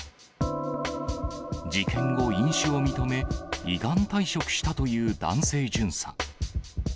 事件後、飲酒を認め、依願退職したという男性巡査。